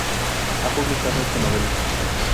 Ha publicado ocho novelas.